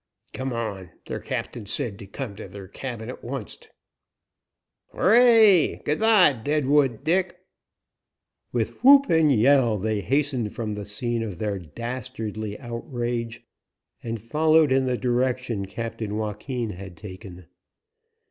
"Come on; ther captain said come to ther cabin at oncet." "Hooray! Good by, Deadwood Dick!" With whoop and yell they hastened from the scene of their dastardly outrage, and followed in the direction Captain Joaquin had taken.